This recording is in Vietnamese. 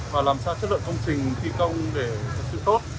và làm sao chất lượng công trình thi công để thật sự tốt